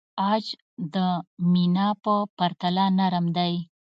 عاج د مینا په پرتله نرم دی.